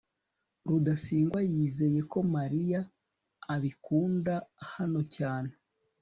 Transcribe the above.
rudasingwa yizeye ko mariya abikunda hano cyane